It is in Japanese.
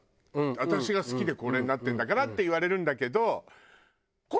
「私が好きでこれになってるんだから」って言われるんだけど。